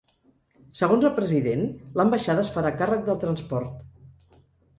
Segons el president, l’ambaixada es farà càrrec del transport.